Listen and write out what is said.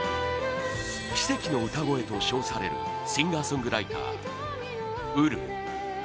奇跡の歌声と称されるシンガーソングライター Ｕｒｕ